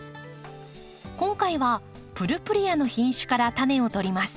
今回はプルプレアの品種からタネをとります。